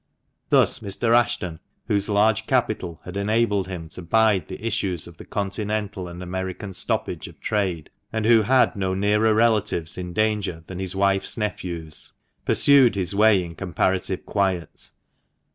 Thus Mr. Ashton, whose large capital had enabled him to bide the issues of the Continental and American stoppage of trade, and who had no nearer relatives in danger than his wife's nephews, pursued his way in comparative quiet.